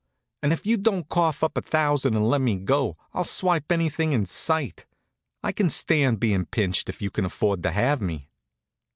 And if you don't cough up a thousand and let me go, I'll swipe anything in sight. I can stand being pinched if you can afford to have me."